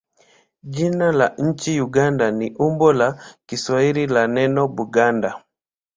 Jina la nchi Uganda ni umbo la Kiswahili la neno Buganda.